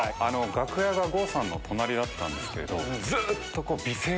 楽屋が郷さんの隣だったんですけど。